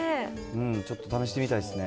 ちょっと試してみたいですね。